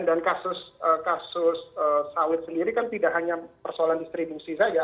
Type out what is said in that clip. dan kasus sawit sendiri kan tidak hanya persoalan distribusi saja